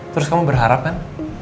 terus kamu berharap kan